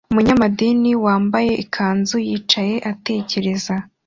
Umunyamadini wambaye ikanzu yicaye atekereza